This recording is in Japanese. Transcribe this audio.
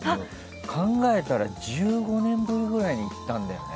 考えたら、１５年ぶりくらいに行ったんだよね。